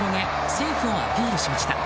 セーフをアピールしました。